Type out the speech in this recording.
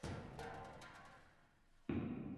د بادامو مغز ولې پوچ کیږي؟